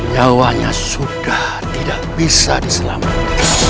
nyawanya sudah tidak bisa diselamatkan